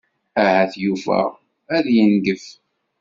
Ahat Yuba ad yengef.